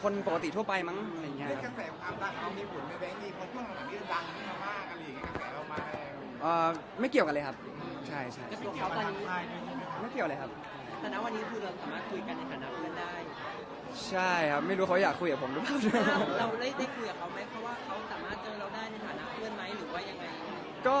เราได้ได้คุยกับเขาไหมเขาว่าเขาสามารถเจอเราได้ในฐานะเพื่อนไหมหรือว่าอย่างไร